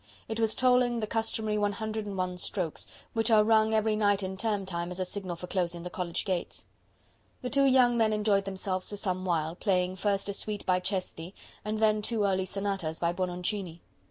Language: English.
It was tolling the customary 101 strokes, which are rung every night in term time as a signal for closing the college gates. The two young men enjoyed themselves for some while, playing first a suite by Cesti, and then two early sonatas by Buononcini.